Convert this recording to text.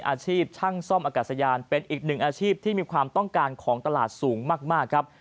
อาชีพช่างซ่อมอากาศยานเป็นอีกหนึ่งอาชีพที่มีความต้องการของตลาดสูงมากครับ